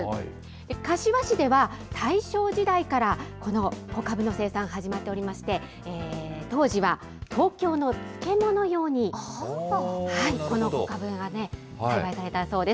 柏市では、大正時代からこの小かぶの生産、始まっておりまして、当時は東京の漬物用に、この小かぶが栽培されたそうです。